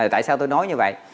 tại sao tôi nói như vậy